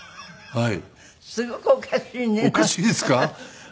はい。